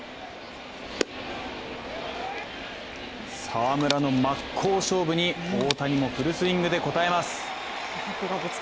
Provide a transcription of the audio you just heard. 澤村の真っ向勝負に大谷もフルスイングで応えます。